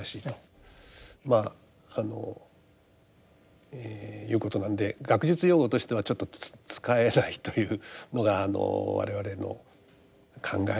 まああのいうことなんで学術用語としてはちょっと使えないというのが我々の考えですね。